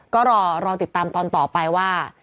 ก็รอติดตามตอนต่อไปว่า